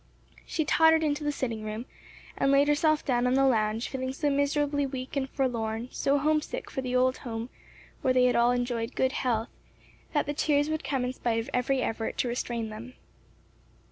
She tottered into the sitting room and laid herself down on the lounge feeling so miserably weak and forlorn, so homesick for the old home where they had all enjoyed good health, that the tears would come in spite of every effort to restrain them.